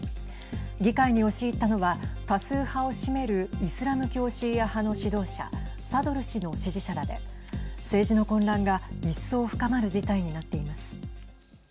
議会に押し入ったのは多数派を占めるイスラム教シーア派の指導者サドル師の支持者らで政治の混乱が一層深まる事態になっています。